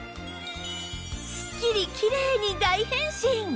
すっきりきれいに大変身！